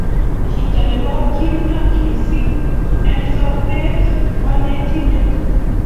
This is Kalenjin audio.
chito nebo kimnatet mising' eng' sobet konetindet